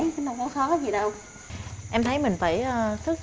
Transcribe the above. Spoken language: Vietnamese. chứ đâu có khó gì đâu